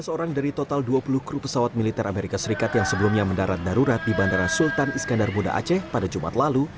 tujuh belas orang dari total dua puluh kru pesawat militer amerika serikat yang sebelumnya mendarat darurat di bandara sultan iskandar muda aceh pada jumat lalu